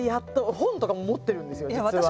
本とかも持ってるんですよ実は。